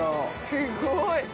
◆すごい。